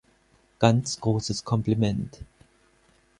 Ganz grosses Kompliment.